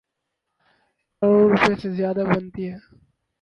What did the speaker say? کروڑ روپے سے زیادہ بنتی ہے۔